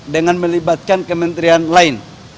dengan melibatkan kementerian lain